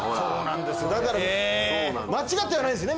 だから間違ってはないんですね。